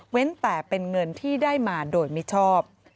แต่เป็นเงินที่ได้มาโดยมิชอบ